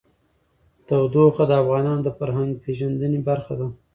تودوخه د افغانانو د فرهنګي پیژندنې برخه ده.